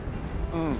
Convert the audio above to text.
うん。